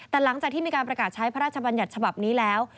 แต่หลังจากที่มีการประกาศใช้พระราชบัญญัติฉบับนี้แล้ว